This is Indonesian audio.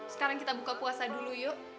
sekarang kita buka puasa dulu yuk